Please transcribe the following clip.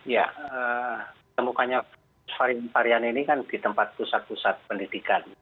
ya temukannya varian varian ini kan di tempat pusat pusat pendidikan